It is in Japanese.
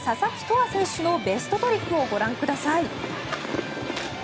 憧選手のベストトリックをご覧ください。